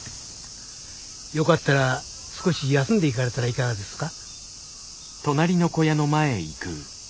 よかったら少し休んでいかれたらいかがですか？